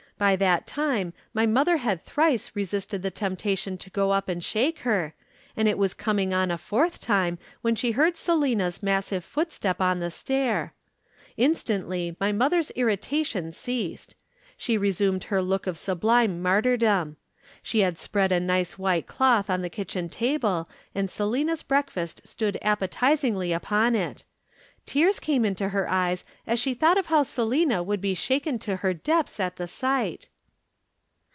By that time my mother had thrice resisted the temptation to go up and shake her, and it was coming on a fourth time when she heard Selina's massive footstep on the stair. Instantly my mother's irritation ceased. She reassumed her look of sublime martyrdom. She had spread a nice white cloth on the kitchen table and Selina's breakfast stood appetizingly upon it. Tears came into her eyes as she thought of how Selina would be shaken to her depths by the sight.